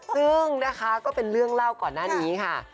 ซึ่งนะคะก็เป็นเรื่องเล่าก่อนหน้านี้ค่ะ